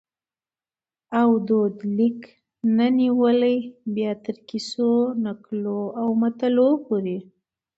او دود لیک نه نیولي بیا تر کیسو ، نکلو او متلونو پوري